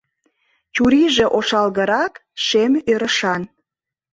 Чурийже ошалгырак, шем ӧрышан.